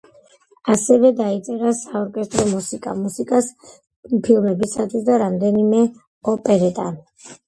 ასევე დაწერა საორკესტრო მუსიკა, მუსიკას ფილმებისათვის და რამდენიმე ოპერეტა.